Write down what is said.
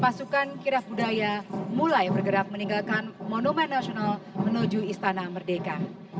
pasukan kirap budaya mulai bergerak meninggalkan monumen nasional menuju istana merdeka